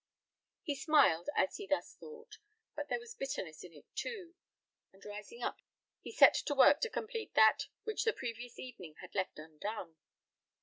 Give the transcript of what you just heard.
He smiled as he thus thought, but there was bitterness in it, too; and rising up, he set to work to complete that which the previous evening had left undone.